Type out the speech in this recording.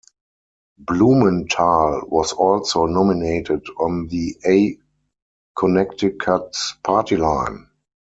Blumenthal was also nominated on the A Connecticut Party line.